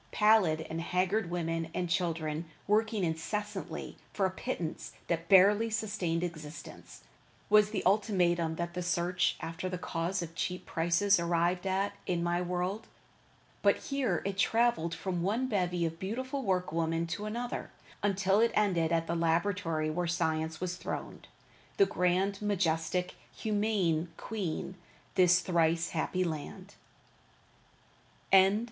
Pallid and haggard women and children, working incessantly for a pittance that barely sustained existence, was the ultimatum that the search after the cause of cheap prices arrived at in my world, but here it traveled from one bevy of beautiful workwoman to another until it ended at the Laboratory where Science sat throned, the grand, majestic, humane Queen of this thrice happy land.